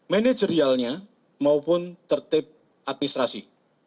manajerialnya maupun tertib administrasi